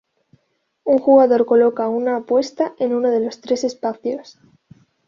Un jugador coloca una apuesta en uno de los tres espacios.